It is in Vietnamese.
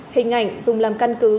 hình ảnh dùng làm căn cứ